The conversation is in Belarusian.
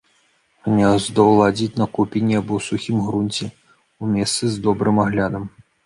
Гняздо ладзіць на купіне або сухім грунце, у месцы з добрым аглядам.